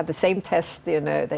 mereka memiliki ujian yang sama